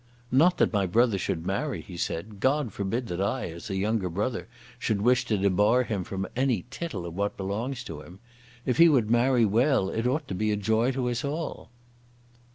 "Not that my brother should marry," he said, "God forbid that I, as a younger brother, should wish to debar him from any tittle of what belongs to him. If he would marry well it ought to be a joy to us all."